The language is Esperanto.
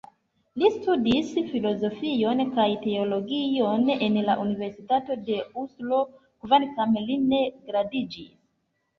Li studis filozofion kaj teologion en la Universitato de Oslo, kvankam li ne gradiĝis.